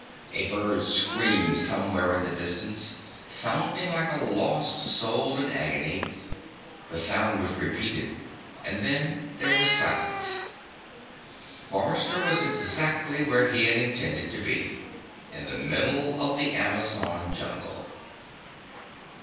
A bird screamed somewhere in the distance, sounding like a lost soul in agony; the sound was repeated, and then there was silence. Forrester was exactly where he had intended to be: in the middle of the Amazon jungle.